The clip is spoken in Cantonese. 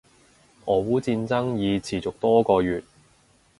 俄烏戰爭已持續多個月